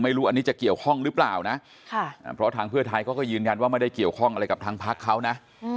ไม่รู้อันนี้จะเกี่ยวข้องหรือเปล่านะเพราะทางเพื่อไทยเขาก็ยืนยันว่าไม่ได้เกี่ยวข้องอะไรกับทางพักเขานะ